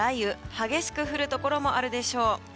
激しく降るところもあるでしょう。